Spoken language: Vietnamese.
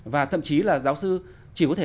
và thậm chí là giáo sư chỉ có thể